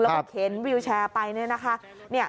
แล้วก็เข็นวิวแชร์ไปเนี่ยนะคะ